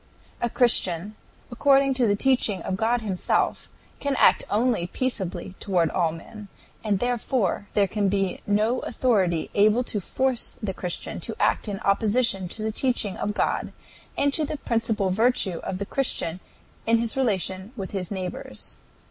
"A Christian, according to the teaching of God himself, can act only peaceably toward all men, and therefore there can be no authority able to force the Christian to act in opposition to the teaching of God and to the principal virtue of the Christian in his relation with his neighbors."